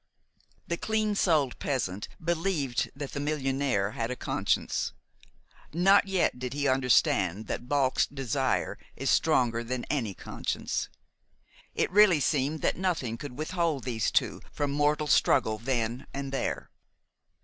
The clean souled peasant believed that the millionaire had a conscience. Not yet did he understand that balked desire is stronger than any conscience. It really seemed that nothing could withhold these two from mortal struggle then and there.